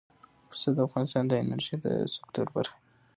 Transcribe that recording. پسه د افغانستان د انرژۍ د سکتور برخه ده.